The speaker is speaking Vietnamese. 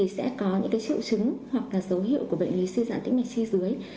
sẽ có những triệu chứng hoặc dấu hiệu của bệnh lý suy dãn tĩnh mạch chi dưới